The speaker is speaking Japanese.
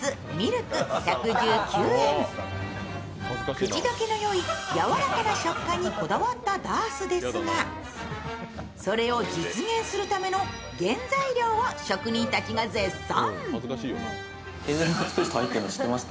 口溶けのよい、やわらかい食感にこだわったダースですがそれを実現するための原材料を職人たちが絶賛。